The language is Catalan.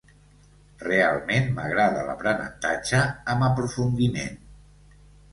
Realment m'agrada l'aprenentatge amb aprofundiment.